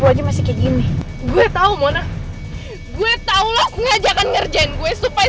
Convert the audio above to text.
lo masih kayak gini gue tahu mona gue tahu lo sengaja akan ngerjain gue supaya